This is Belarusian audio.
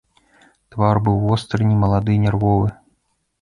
Твар быў востры, немалады, нервовы.